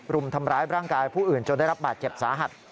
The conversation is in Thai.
รุมทำร้ายร่างกายผู้อื่นจนได้รับบาดเจ็บสาหัส